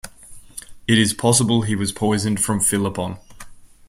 It is possible he was poisoned from Philopon.